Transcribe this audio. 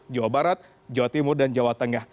jawa barat jawa timur dan jawa tengah